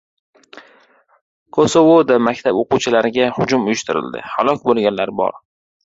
Kosovoda maktab o`quvchilarga hujum uyushtirildi. Halok bo`lganlar bor